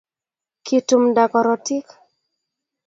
kitumda korotik